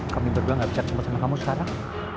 kami berdua gak bisa sama kamu sekarang